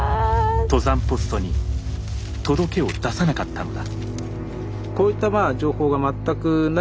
登山ポストに届けを出さなかったのだ。